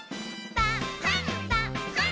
「パンパン」